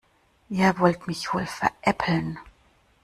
Ihr wollt mich wohl veräppeln.